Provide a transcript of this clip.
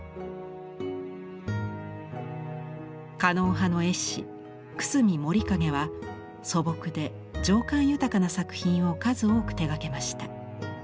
狩野派の絵師久隅守景は素朴で情感豊かな作品を数多く手がけました。